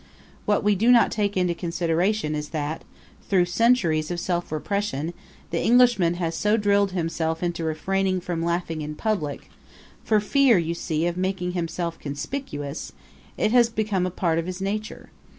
What we do not take into consideration is that, through centuries of self repression, the Englishman has so drilled himself into refraining from laughing in public for fear, you see, of making himself conspicuous it has become a part of his nature.